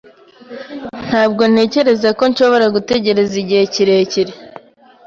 Ntabwo ntekereza ko nshobora gutegereza igihe kirekire.